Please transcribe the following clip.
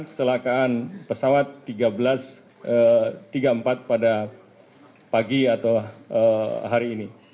keselakaan pesawat seribu tiga ratus tiga puluh empat pada pagi atau hari ini